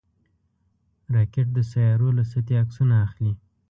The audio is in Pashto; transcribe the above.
راکټ د سیارویو له سطحې عکسونه اخلي